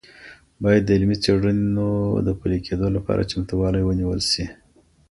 باید د علمي څیړنو د پلي کيدو لپاره چمتووالی ونیول سي.